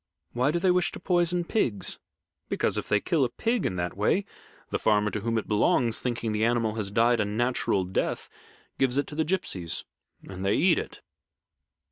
"Why do they wish to poison pigs?" "Because, if they kill a pig in that way, the farmer to whom it belongs, thinking the animal has died a natural death, gives it to the gipsies and they eat it."